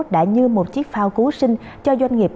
đã như một chiếc phao cứu sinh cho doanh nghiệp